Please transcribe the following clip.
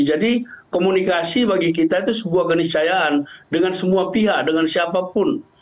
jadi komunikasi bagi kita itu sebuah keniscayaan dengan semua pihak dengan siapapun